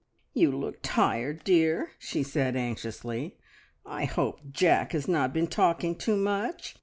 "You look tired, dear!" she said anxiously. "I hope Jack has not been talking too much.